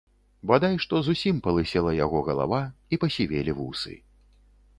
Бадай што зусім палысела яго галава і пасівелі вусы.